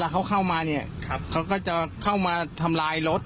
เขาเข้ามาเนี่ยเขาก็จะเข้ามาทำลายรถ